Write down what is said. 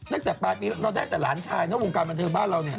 ซักประมาณนี้เราได้แต่หลานชายเพราะวงการบทบาทบ้านเราเนี๊ยย